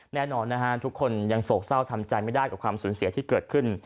แน่นอนนะฮะทุกคนยังโศกเศร้าทำใจไม่ได้กับความสูญเสียที่เกิดขึ้น